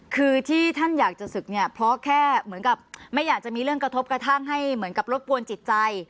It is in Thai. คือที่ท่านอยากจะศึกเนี่ยเพราะแค่เหมือนกับไม่อยากจะมีเรื่องกระทบกระทั่งให้เหมือนกับรบกวนจิตใจ